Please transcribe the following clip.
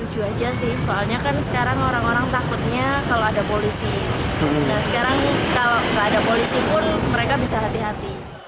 dan sekarang kalau nggak ada polisi pun mereka bisa hati hati